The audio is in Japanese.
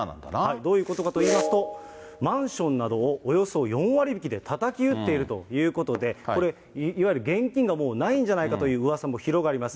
どういうことかといいますと、マンションなどをおよそ４割引きでたたき売っているということで、これ、いわゆる現金がもう、ないんじゃないかといううわさも広がります。